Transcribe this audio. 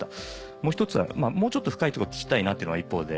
もう一つもうちょっと深いとこ聞きたいなっていうのが一方で。